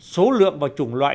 số lượng và chủng loại